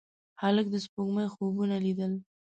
هلک د سپوږمۍ خوبونه لیدل.